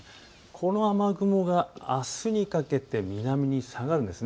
この雨雲があすにかけて南に下がるんです。